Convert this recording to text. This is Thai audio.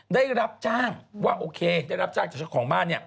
ได้รับจ้างว่าโอเคได้รับจ้างจากเจ้าของบ้าน